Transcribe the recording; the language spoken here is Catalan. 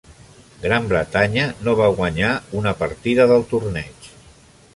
Gran Bretanya no va guanyar una partida del torneig.